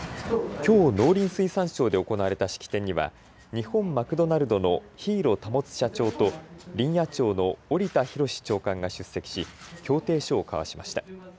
きょう農林水産省で行われた式典には日本マクドナルドの日色保社長と林野庁の織田央長官が出席し協定書を交わしました。